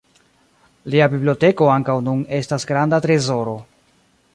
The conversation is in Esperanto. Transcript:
Lia biblioteko ankaŭ nun estas granda trezoro.